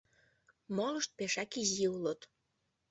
Молышт пешак изи улыт.